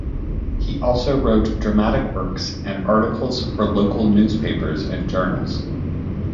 He also wrote dramatic works and articles for local newspapers and journals.